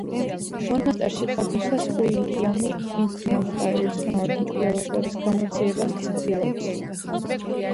მონასტერში ყოფნისას უილიამი იქ მომხდარი უცნაური მკვლელობების გამოძიებას ცდილობს.